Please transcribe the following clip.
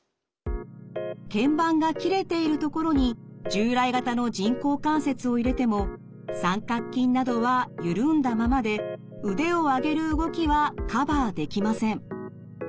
けん板が切れているところに従来型の人工関節を入れても三角筋などは緩んだままで腕を上げる動きはカバーできません。